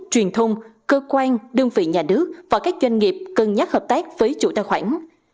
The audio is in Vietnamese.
truyền thông cơ quan đơn vị nhà nước và các doanh nghiệp cân nhắc hợp tác với chủ tài khoản